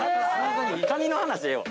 カニの話ええわ。